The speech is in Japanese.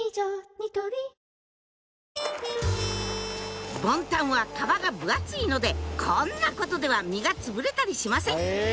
ニトリボンタンは皮が分厚いのでこんなことでは実がつぶれたりしません